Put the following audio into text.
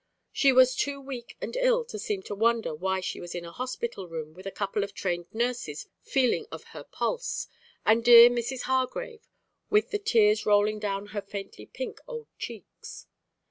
She was too weak and ill to seem to wonder why she was in a hospital room with a couple of trained nurses feeling of her pulse, and dear Mrs. Hargrave with the tears rolling down her faintly pink old cheeks.